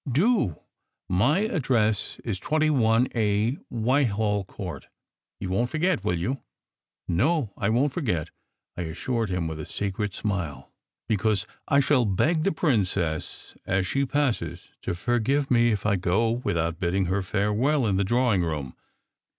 "Do. My address is 21a Whitehall Court. You won t forget, will you?" "No, I won t forget," I assured him, with a secret smile. 286 SECRET HISTORY " Because I shall beg the princess as she passes to forgive me if I go without bidding her farewell in the drawing room.